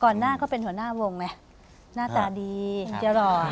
หน้าก็เป็นหัวหน้าวงไงหน้าตาดีจะหล่อ